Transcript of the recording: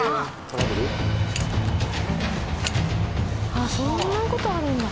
ああそんな事あるんだ。